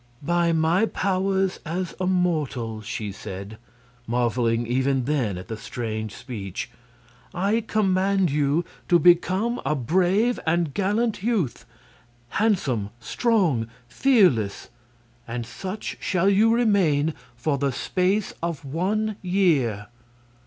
"By my powers as a mortal," she said, marveling even then at the strange speech, "I command you to become a brave and gallant youth handsome, strong, fearless! And such shall you remain for the space of one year."